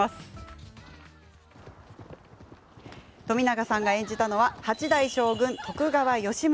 冨永さんが演じたのは八代将軍、徳川吉宗。